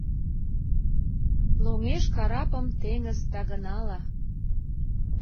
Лоҥеш карапым теҥыз тагынала.